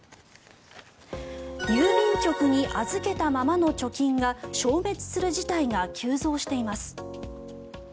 郵便局に預けたままの貯金が消滅する事態が急増しています。